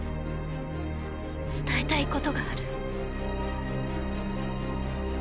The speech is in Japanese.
伝えたいことがある。